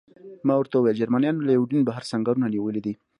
ما ورته وویل: جرمنیانو له یوډین بهر سنګرونه نیولي.